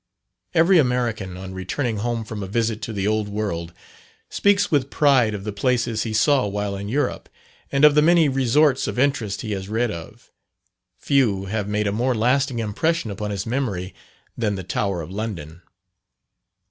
Every American, on returning home from a visit to the old world, speaks with pride of the places he saw while in Europe; and of the many resorts of interest he has read of, few have made a more lasting impression upon his memory than the Tower of London.